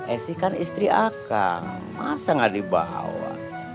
eh sih kan istri akang masa enggak dibawa